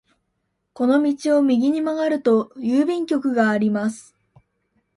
この道を右に曲がると郵便局があります。